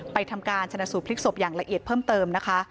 ทำการชนะสูตรพลิกศพอย่างละเอียดเพิ่มเติมนะคะ